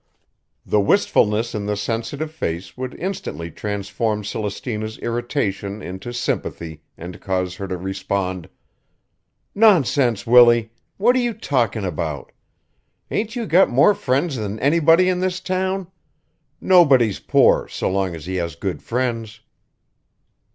The wistfulness in the sensitive face would instantly transform Celestina's irritation into sympathy and cause her to respond: "Nonsense, Willie! What are you talkin' about? Ain't you got more friends than anybody in this town? Nobody's poor so long as he has good friends."